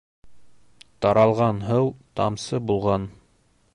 Таралған һыу тамсы булған.